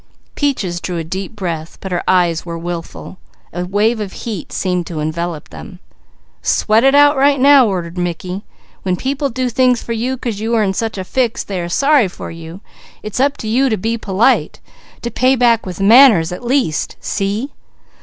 Peaches drew a deep breath but her eyes were wilful. A wave of heat seemed to envelop them. "Sweat it out right now!" ordered Mickey. "When people do things for you 'cause they are sorry for you, it's up to you to be polite, to pay back with manners at least. See?"